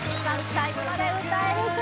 最後まで歌えるか？